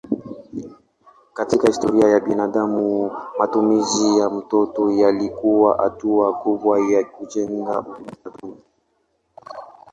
Katika historia ya binadamu matumizi ya moto yalikuwa hatua kubwa ya kujenga utamaduni.